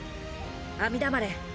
阿弥陀丸。